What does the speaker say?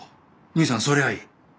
兄さんそれはいい。